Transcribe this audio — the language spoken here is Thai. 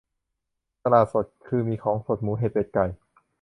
ตลาดสดคือมีของสด หมูเห็ดเป็ดไก่